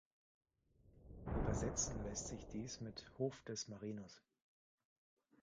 Übersetzen lässt sich dies mit Hof des Marinus.